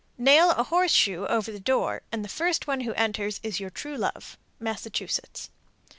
Nail a horseshoe over the door, and the first one who enters is your true love. _Massachusetts.